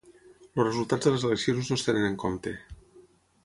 Els resultats de les eleccions no es tenen en compte.